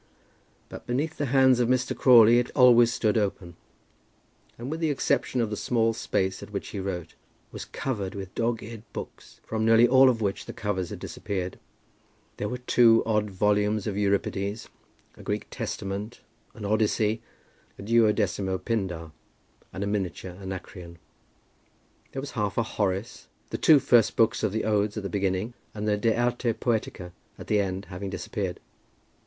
But beneath the hands of Mr. Crawley it always stood open; and with the exception of the small space at which he wrote, was covered with dog's eared books, from nearly all of which the covers had disappeared. There were there two odd volumes of Euripides, a Greek Testament, an Odyssey, a duodecimo Pindar, and a miniature Anacreon. There was half a Horace, the two first books of the Odes at the beginning, and the De Arte Poetica at the end having disappeared.